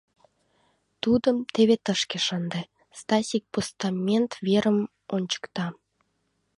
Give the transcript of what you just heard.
— Тудым теве тышке шынде, — Стасик постамент верым ончыкта.